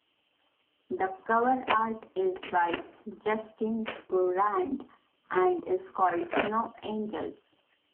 The cover art is by Justine Kurland, and is called "Snow Angels".